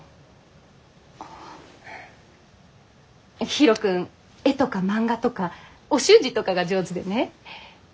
ヒロ君絵とか漫画とかお習字とかが上手でね。